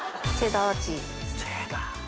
チェダー。